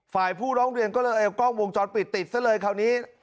ฝ่ายผู้ร้องเรียนก็เลยเอากล้องวงจรปิดติดซะเลยคราวนี้